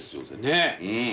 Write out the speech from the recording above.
ねえ。